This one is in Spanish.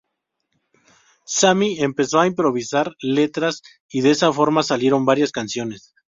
Sammy empezó a improvisar letras y de esa forma salieron varias canciones.